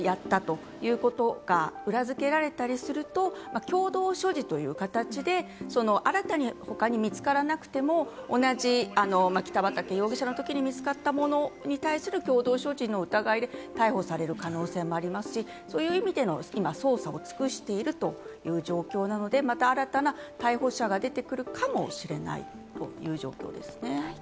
また何が出なくても、事情聴取の中でやったということが裏付けられたりすると、共同所持という形で新たに他に見つからなくても同じ北畠容疑者のときに見つかったものに対する共同所持の疑いで逮捕される可能性もありますし、そういう意味での今、捜査を尽くしているという状況なので、新たな逮捕者が出てくるかもしれないという状況ですね。